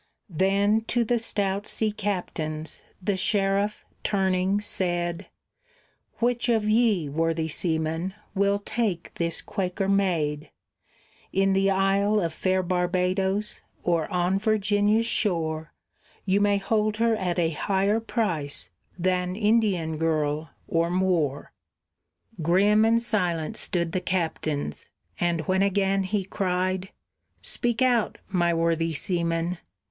Then to the stout sea captains the sheriff, turning, said, "Which of ye, worthy seamen, will take this Quaker maid? In the Isle of fair Barbadoes, or on Virginia's shore, You may hold her at a higher price than Indian girl or Moor." Grim and silent stood the captains; and when again he cried, "Speak out, my worthy seamen!"